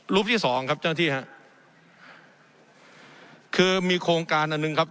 ที่สองครับเจ้าหน้าที่ฮะคือมีโครงการอันหนึ่งครับ